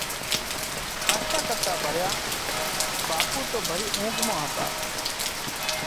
کاشا ڪٽا ڀريا ٻاپو تو ڀري اونگھ مان هتا